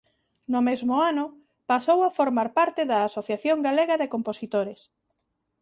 No mesmo ano pasou a formar parte da Asociación Galega de Compositores.